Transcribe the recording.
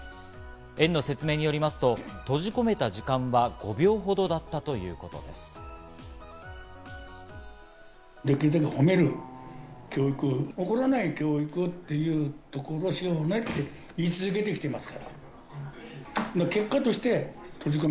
園の説明によりますと、閉じ込めた時間は５秒ほどだったといいます。